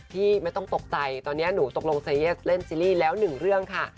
ไม่ต้องตกใจตอนนี้หนูตกลงเซเยสเล่นซีรีส์แล้วหนึ่งเรื่องค่ะ